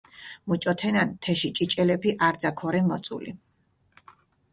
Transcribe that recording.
მუჭო თენან თეში ჭიჭელეფი არძა ქორე მოწული.